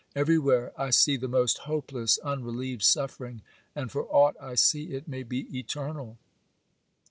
Everywhere I see the most hopeless, unrelieved suffering,—and for aught I see, it may be eternal.